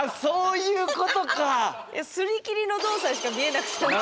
いやすり切りの動作にしか見えなくて私。